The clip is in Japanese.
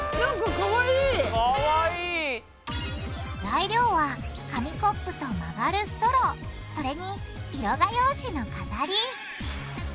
材料は紙コップと曲がるストローそれに色画用紙の飾り。